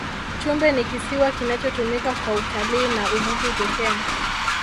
chumbe ni kisiwa kinachotumika kwa utalii na uvuvi pekee